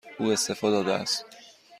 او استعفا داده است.